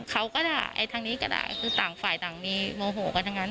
เขาก็ด่าไอ้ทางนี้ก็ได้คือต่างฝ่ายต่างมีโมโหกันทั้งนั้น